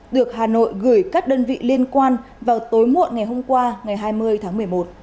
được hà nội gửi các đơn vị liên quan vào tối muộn ngày hôm qua ngày hai mươi tháng một mươi một